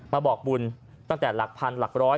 มาบอกบุญตั้งแต่หลักพันหลักร้อย